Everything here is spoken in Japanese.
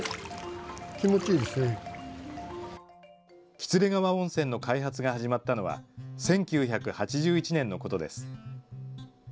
喜連川温泉の開発が始まったのは１９８１年のことです。